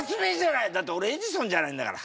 だっておれエジソンじゃないんだから。